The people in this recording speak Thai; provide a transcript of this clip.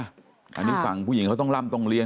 อันนี้ฝั่งผู้หญิงเขาต้องล่ำต้องเรียน